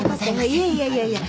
いやいやいやいや。